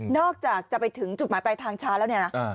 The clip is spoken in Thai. นอกจากจะไปถึงจุดหมายไปทางช้าแล้วเนี้ยนะอ่า